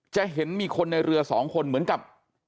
จะเห็นมีคนในเรือสองคนเหมือนกับ